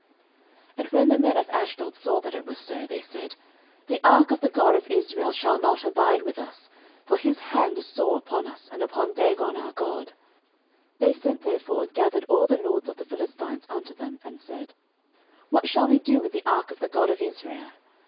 09:005:007 And when the men of Ashdod saw that it was so, they said, The ark of the God of Israel shall not abide with us: for his hand is sore upon us, and upon Dagon our god. 09:005:008 They sent therefore and gathered all the lords of the Philistines unto them, and said, What shall we do with the ark of the God of Israel?